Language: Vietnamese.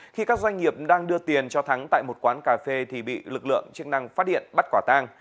khi các doanh nghiệp đang đưa tiền cho thắng tại một quán cà phê thì bị lực lượng chức năng phát hiện bắt quả tang